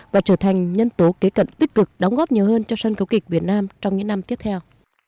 và trở thành nhân tố kế cận tích cực đóng góp nhiều hơn cho sân khấu kịch việt nam trong những năm tiếp theo